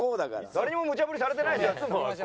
誰にもむちゃ振りされてないじゃないですか。